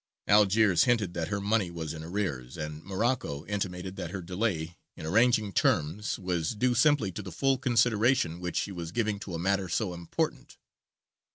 Algiers hinted that her money was in arrears, and Morocco intimated that her delay in arranging terms was due simply to the full consideration which she was giving to a matter so important.